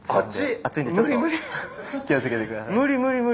熱いんで気を付けてください。